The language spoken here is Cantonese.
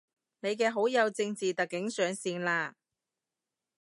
你嘅好友正字特警上線喇